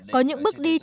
có những bước điểm đúng